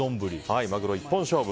マグロ一本勝負。